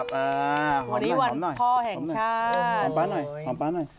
วันนี้วันพ่อแห่งชาติ